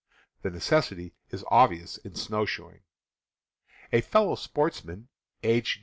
The necessity is obvious in snowshoeing. A fellow sportsman, H.